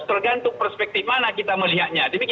tergantung perspektif mana kita melihatnya